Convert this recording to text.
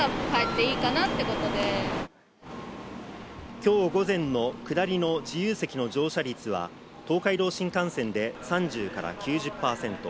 今日午前の下りの自由席の乗車率は東海道新幹線で３０から９０％。